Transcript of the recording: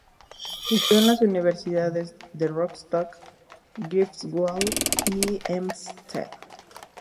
Estudió en las universidades de Rostock, Greifswald y Helmstedt.